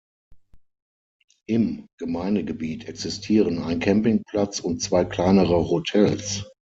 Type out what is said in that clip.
Im Gemeindegebiet existieren ein Campingplatz und zwei kleinere Hotels.